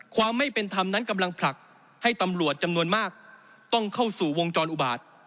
ความไม่เป็นธรรมนั้นกำลังผลักให้ตำรวจจำนวนมากต้องเข้าสู่วงจรอุบาต